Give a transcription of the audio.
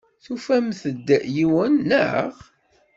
Tufamt-d yiwet, naɣ?